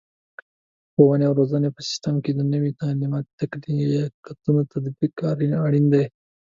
د ښوونې او روزنې په سیستم کې د نوي تعلیماتي تکتیکونو تطبیق اړین دی.